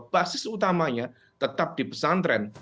basis utamanya tetap di pesantren